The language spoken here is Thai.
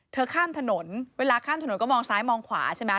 ข้ามถนนเวลาข้ามถนนก็มองซ้ายมองขวาใช่ไหม